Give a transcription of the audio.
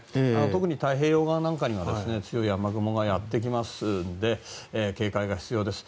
特に太平洋側には強い雨雲がやってきますので警戒が必要です。